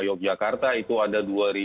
yogyakarta itu ada dua